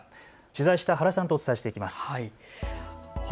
取材した原さんとお伝えしていきます。